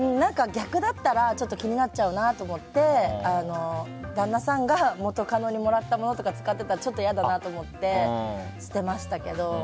逆だったら気になっちゃうなと思って旦那さんが元カノにもらったものとか使ってたらちょっと嫌だなと思って捨てましたけど。